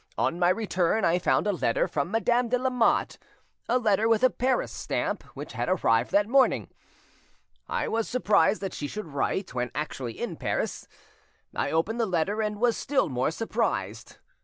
On my return I found a letter from Madame de Lamotte, a letter with a Paris stamp, which had arrived that morning. I was surprised that she should write, when actually in Paris; I opened the letter, and was still more surprised.